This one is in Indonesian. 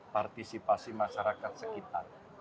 partisipasi masyarakat sekitar